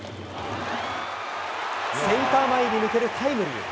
センター前に抜けるタイムリー。